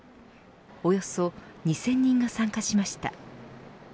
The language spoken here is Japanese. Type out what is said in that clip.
およそ２０００人が参加しました。